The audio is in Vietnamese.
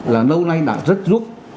là lâu nay đã rất giúp